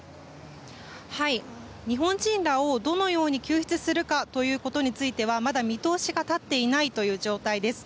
日本人らをどのように救出するかということについてはまだ見通しが立っていないという状態です。